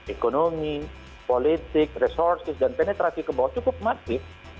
ekonomi politik resources dan penetrasi ke bawah cukup masif